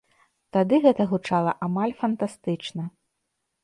Тады гэта гучала амаль фантастычна.